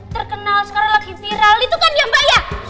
terkenal sekarang lagi viral itu kan ya mbak ya